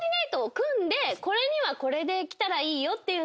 これにはこれで着たらいいよっていうので。